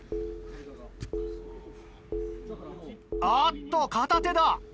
あっと片手だ！